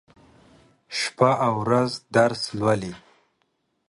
شپه او ورځ درس لولي.